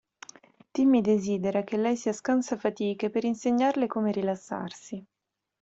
Timmy desidera che lei sia scansafatiche per insegnarle come rilassarsi.